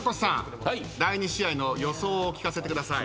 第２試合の予想を聞かせてください。